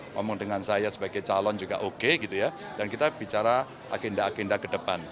ngomong dengan saya sebagai calon juga oke gitu ya dan kita bicara agenda agenda ke depan